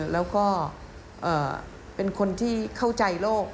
แล้วก็เป็นคนที่เข้าใจโลก